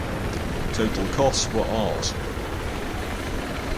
Total costs were Rs.